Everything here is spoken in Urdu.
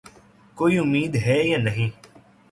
کوئی امید ہے یا نہیں ؟